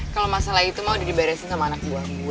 kalo masalah itu mau di diberesin sama anak buah gue